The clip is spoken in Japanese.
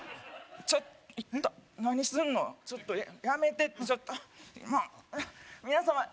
ちょっいった何すんのちょっとやめてちょっと皆様